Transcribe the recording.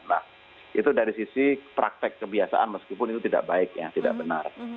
nah itu dari sisi praktek kebiasaan meskipun itu tidak baik ya tidak benar